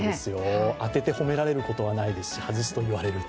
当てて褒められることはないですし、外れると言われる。